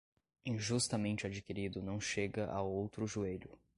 Injustamente adquirido não chega a outro joelho.